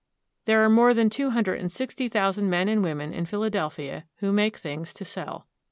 There are more than two hundred and sixty thousand men and women in Philadel phia who make things to sell.